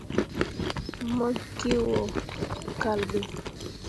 Mo ge o yo kal ɓe.